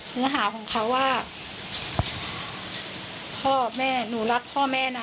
เนื้อหาของเขาว่าพ่อแม่หนูรักพ่อแม่นะ